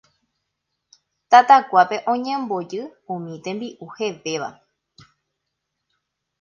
Tatakuápe oñembojy umi tembi'u hevéva